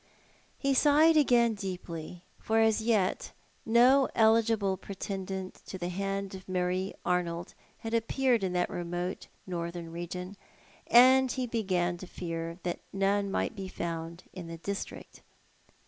He sighed again deeply, for as yet no eligible pretendant to the hand of Marie Arnold had appeared in that remote northern region ; and he began to fear that none might be found in the district.